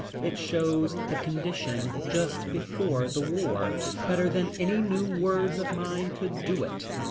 It shows the condition just before the war, better than any new words of mine could do it.